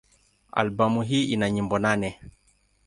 Albamu hii ina nyimbo nane.